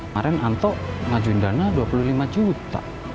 kemarin anto ngajuin dana dua puluh lima juta